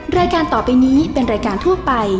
รายการต่อไปนี้เป็นรายการทั่วไป